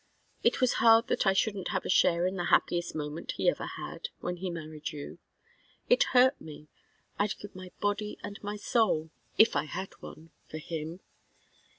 It was hard that I shouldn't have a share in the happiest moment he ever had when he married you. It hurt me. I'd give my body and my soul if I had one for him.